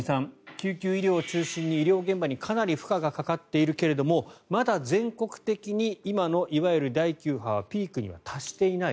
救急医療を中心に医療現場にかなり負荷がかかっているけれどもまだ全国的に今のいわゆる第９波はピークに達していない。